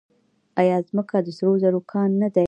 آیا ځمکه د سرو زرو کان نه دی؟